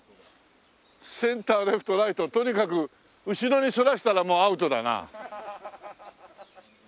センターレフトライトとにかく後ろにそらしたらもうアウトだな。